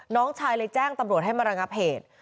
น้องชายเลยแจ้งตำรวจให้มาระงับเหตุ